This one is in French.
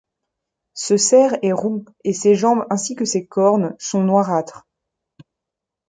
Ce cerf est roux et ses jambes ainsi que ses cornes sont noirâtres.